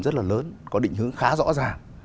rất là lớn có định hướng khá rõ ràng